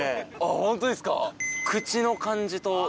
ホントですか。